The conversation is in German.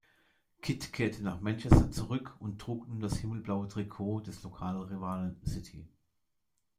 Kidd kehrte nach Manchester zurück und trug nun das himmelblaue Trikot des Lokalrivalen City.